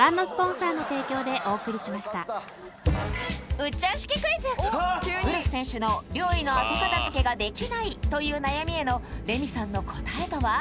ウルフ選手の「料理の後片付けができない」という悩みへのレミさんの答えとは？